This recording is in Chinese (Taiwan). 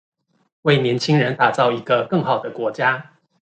為年輕人打造一個更好的國家